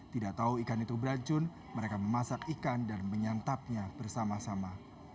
tidak tahu ikan itu beracun mereka memasak ikan dan menyantapnya bersama sama